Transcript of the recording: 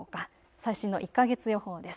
最新の１か月予報です。